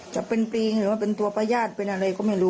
จะเป็นปีหรือว่าเป็นตัวประญาติเป็นอะไรก็ไม่รู้